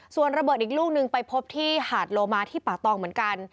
ส่วนระเบิดอีกลูกนึงไปพบที่หาดโลมาที่ป่าตองเหมือนกัน